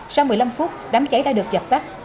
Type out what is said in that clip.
sau một mươi năm phút đám cháy đã được dập tắt